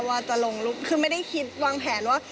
ว่าจะลงรูปคือไม่ได้คิดวางแผนว่า